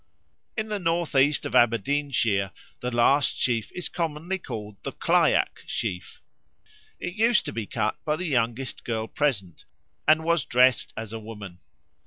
In the north east of Aberdeenshire the last sheaf is commonly called the clyack sheaf. It used to be cut by the youngest girl present and was dressed as a woman.